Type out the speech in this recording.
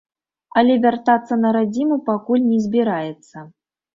Але вяртацца на радзіму пакуль не збіраецца.